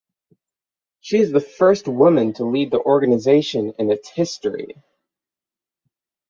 She is the first woman to lead the organisation in its history.